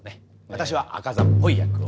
私は猗窩座っぽい役を。